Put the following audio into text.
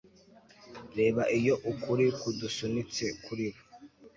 Reba iyo ukuri kudusunitse kuribo